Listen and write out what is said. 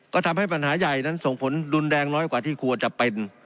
ก็ทำให้ปัญหาใหญ่นั้นส่งผลรุนแรงน้อยกว่าที่ควรจะเป็น